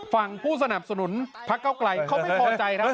ฝั่งผู้สนับสนุนพระเกาะไกรเค้าไม่ครอบใจ